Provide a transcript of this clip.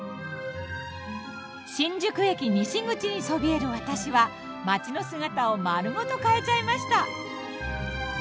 新宿駅西口にそびえる私は街の姿を丸ごと変えちゃいました。